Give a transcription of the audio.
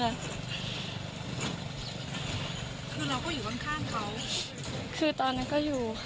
คือเราก็อยู่ข้างเขาคือตอนนั้นก็อยู่ค่ะ